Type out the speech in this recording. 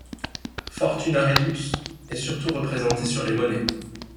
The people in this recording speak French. Fortuna Redux est surtout représentée sur les monnaies.